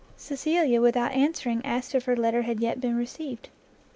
Cecilia, without answering, asked if her letter had yet been received?